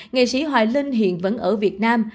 nghệ sĩ hoài linh hiện vẫn ở việt nam